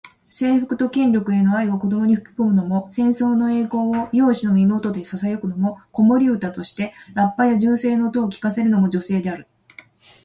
征服と権力への愛を子どもに吹き込むのも、戦争の栄光を幼子の耳元でささやくのも、子守唄としてラッパや銃声の音を聞かせるのも女性である。